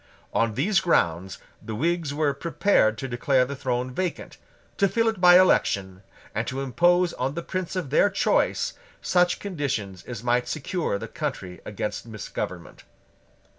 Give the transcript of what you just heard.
On these grounds the Whigs were prepared to declare the throne vacant, to fill it by election, and to impose on the prince of their choice such conditions as might secure the country against misgovernment.